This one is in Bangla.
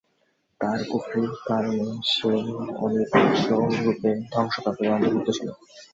তার কুফরীর কারণে সেও অনিবার্যরূপে ধ্বংসপ্রাপ্তদের অন্তর্ভুক্ত ছিল।